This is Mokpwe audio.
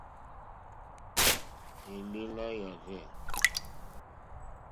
Élèlà yârzɛ̂.